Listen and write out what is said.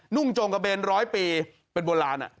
่งจงกระเบนร้อยปีเป็นโบราณ